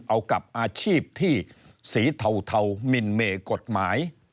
เอากับอาชีพที่สีเทามินเมกฎหมาย